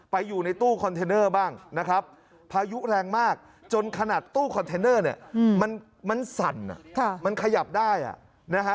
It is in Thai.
อยู่ในตู้คอนเทนเนอร์บ้างนะครับพายุแรงมากจนขนาดตู้คอนเทนเนอร์เนี่ยมันสั่นมันขยับได้นะฮะ